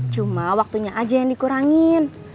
cuma waktunya aja yang dikurangin